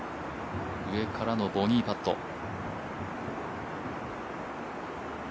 上からのボギーパット。